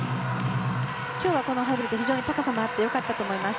今日はハイブリッド非常に高さもあって良かったと思います。